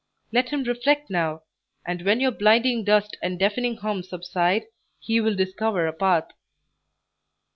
Let him reflect now, and when your blinding dust and deafening hum subside, he will discover a path."